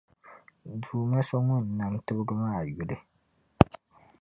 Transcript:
Duuma so Ŋun nam tibgi maa yuli.